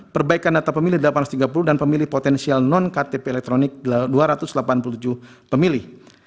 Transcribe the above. perbaikan data pemilih delapan ratus tiga puluh dan pemilih potensial non ktp elektronik dua ratus delapan puluh tujuh pemilih